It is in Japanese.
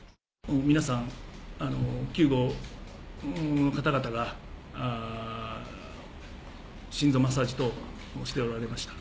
皆さん、救護の方々が心臓マッサージ等しておられました。